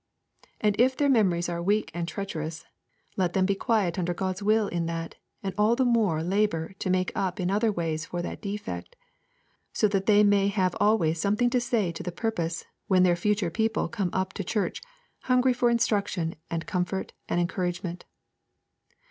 And if their memories are weak and treacherous, let them be quiet under God's will in that, and all the more labour to make up in other ways for that defect, so that they may have always something to say to the purpose when their future people come up to church hungry for instruction and comfort and encouragement.